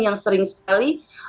yang sering sekali